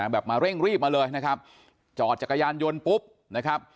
มาเร่งรีบมาเลยนะครับจอดจักรยานยนต์ปุ๊บนะครับ